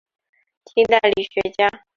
清代理学家。